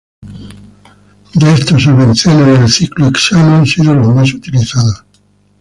De estos, el benceno y el ciclohexano han sido los más utilizados.